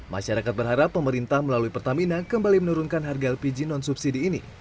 masyarakat berharap pemerintah melalui pertamina kembali menurunkan harga lpg non subsidi ini